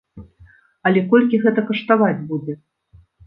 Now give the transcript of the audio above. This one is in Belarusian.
Але колькі гэта каштаваць будзе!?